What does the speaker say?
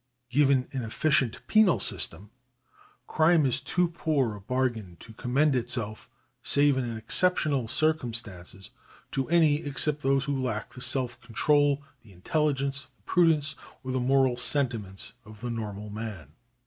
Given an efficient penal system, crime is too poor a bargain to commend itself, save in exceptional circumstances, to any except those who lack the self control, the intelligence, the prudence, or the moral sentiments of the normal man.